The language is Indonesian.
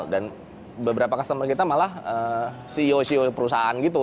dan beberapa customer kita malah ceo ceo perusahaan gitu